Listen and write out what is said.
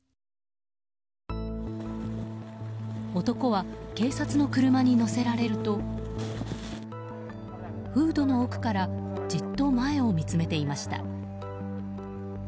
男は、警察の車に乗せられるとフードの奥からじっと前を見つめていました。